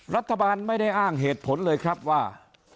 รัฐบาลไม่ได้อ้างเหตุผลเลยครับว่า